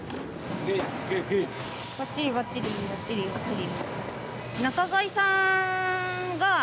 ばっちりばっちりばっちりばっちり。